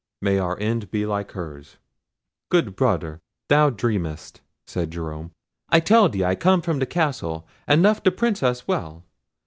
May our end be like hers!" "Good brother, thou dreamest," said Jerome. "I tell thee I come from the castle, and left the Princess well.